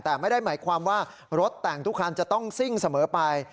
แต่ไม่ได้หมายความว่ารถแต่งทุกคันจะต้องซิ่งเสมอไป